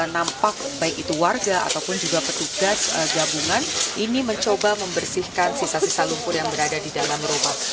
nampak baik itu warga ataupun juga petugas gabungan ini mencoba membersihkan sisa sisa lumpur yang berada di dalam rumah